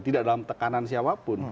tidak dalam tekanan siapapun